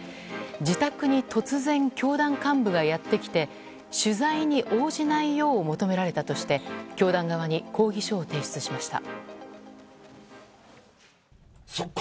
自宅に突然教団幹部がやってきて取材に応じないよう求められたとして教団側に抗議書を提出しました。